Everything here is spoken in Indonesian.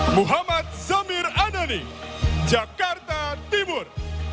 muhammad samir adani jakarta timur